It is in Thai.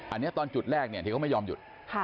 อันนี้ตอนจุดแรกเนี่ยที่เขาไม่ยอมหยุด